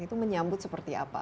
itu menyambut seperti apa